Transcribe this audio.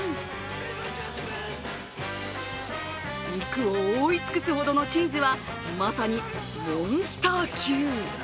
肉を覆い尽くすほどのチーズはまさにモンスター級。